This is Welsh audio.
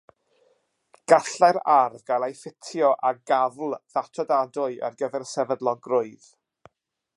Gallai'r arf gael ei ffitio â gafl ddatodadwy ar gyfer sefydlogrwydd.